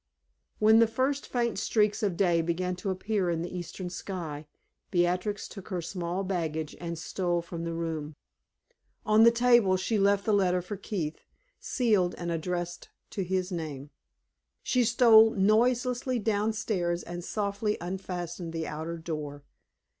When the first faint streaks of day began to appear in the eastern sky, Beatrix took her small baggage and stole from the room. On the table she left the letter for Keith, sealed, and addressed to his name. She stole noiselessly down stairs and softly unfastened the outer door.